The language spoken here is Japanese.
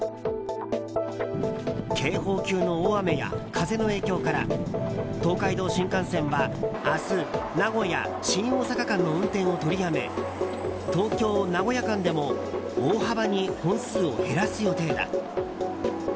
警報級の大雨や風の影響から東海道新幹線は明日、名古屋新大阪間の運転を取りやめ東京名古屋間でも大幅に本数を減らす予定だ。